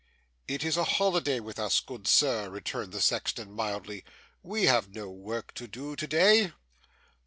'It is a holiday with us, good Sir,' returned the sexton mildly. 'We have no work to do to day.